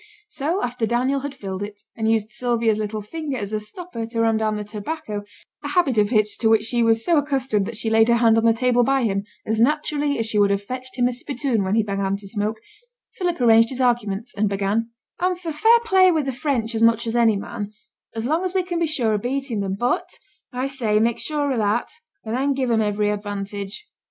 So after Daniel had filled it, and used Sylvia's little finger as a stopper to ram down the tobacco a habit of his to which she was so accustomed that she laid her hand on the table by him, as naturally as she would have fetched him his spittoon when he began to smoke Philip arranged his arguments, and began 'I'm for fair play wi' the French as much as any man, as long as we can be sure o' beating them; but, I say, make sure o' that, and then give them ivery advantage.